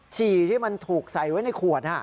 ฉี่ที่มันถูกใส่ไว้ในขวด